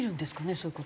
そういう事は。